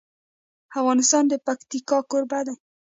افغانستان د پکتیکا کوربه دی.